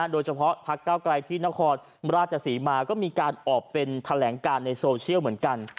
โดยเฉพาะพักเก้าไกลที่นครราชศรีมาก็มีการออกเป็นแถลงการในโซเชียลเหมือนกัน